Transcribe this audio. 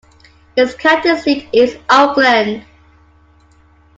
Its county seat is Oakland.